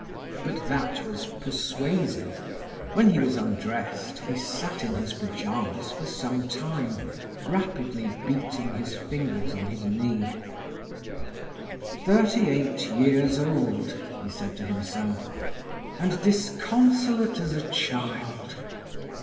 But that was persuasive. When he was undressed he sat in his pyjamas for some time, rapidly beating his fingers on his knee. "Thirty eight years old," he said to himself, "and disconsolate as a child!"